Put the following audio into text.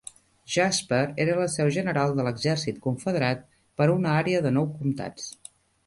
Jasper era la seu general de l'exèrcit confederat per a una àrea de nou comtats.